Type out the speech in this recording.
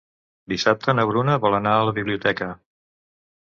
Dissabte na Bruna vol anar a la biblioteca.